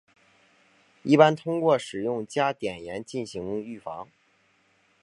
一般通过使用加碘盐进行预防。